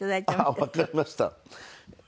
あっわかりました。